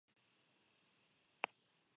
Oro har informazio gutxi dago arrazaren inguruan.